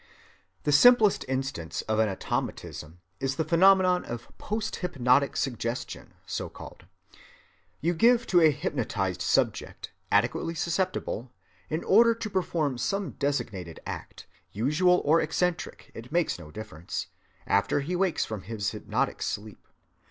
The simplest instance of an automatism is the phenomenon of post‐hypnotic suggestion, so‐called. You give to a hypnotized subject, adequately susceptible, an order to perform some designated act—usual or eccentric, it makes no difference—after he wakes from his hypnotic sleep.